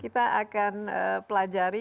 kita akan pelajari